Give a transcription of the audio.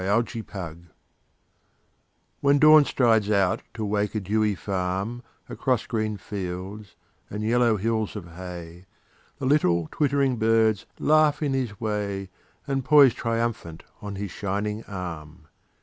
Alarm Clocks When Dawn strides out to wake a dewy farm Across green fields and yellow hills of hay The little twittering birds laugh in his way And poise triumphant on his shining arm.